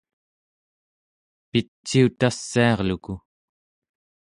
piciutassiarluku